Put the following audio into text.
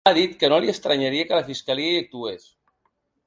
Ha dit que no li estranyaria que la fiscalia hi actués.